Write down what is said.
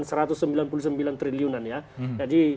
rp satu ratus sembilan puluh sembilan triliunan ya jadi